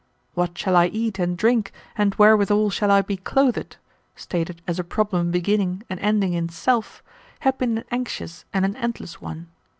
'What shall I eat and drink, and wherewithal shall I be clothed?' stated as a problem beginning and ending in self, had been an anxious and an endless one.